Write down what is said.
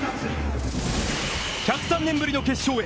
１０３年ぶりの決勝へ！